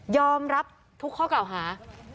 อมรับทุกข้อกล่าวหา